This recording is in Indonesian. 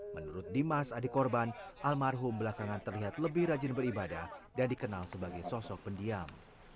menurut dimas adik korban almarhum belakangan terlihat lebih rajin beribadah dan dikenal sebagai sosok pendiam